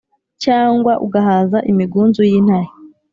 Cyangwa ugahaza imigunzu y intare